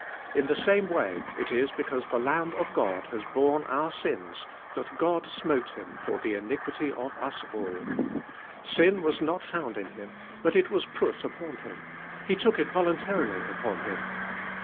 In the same way, it is because the Lamb of Qod oivisj,; iiK.Miyii. has borne our sins, thai God smote Ilim fur llic iniquity of us all. Sin was not found iu Him, but it was put upon Him, He took it voluntarily upon Him.